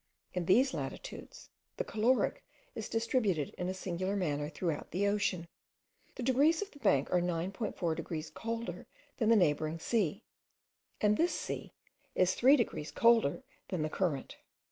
in these latitudes, the caloric is distributed in a singular manner throughout the ocean; the waters of the bank are 9.4 degrees colder than the neighbouring sea; and this sea is 3 degrees colder than the current.